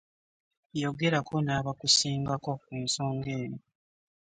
Yogerako nabakusingako ku nsonga eyo.